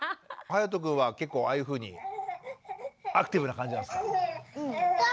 はやとくんは結構ああいうふうにアクティブな感じなんですか？